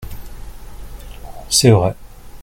C’est vrai.